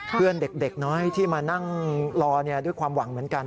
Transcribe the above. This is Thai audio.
เพื่อนเด็กน้อยที่มานั่งรอด้วยความหวังเหมือนกัน